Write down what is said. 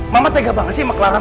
mama tega banget sih